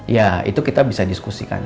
ya itu kita bisa diskusikan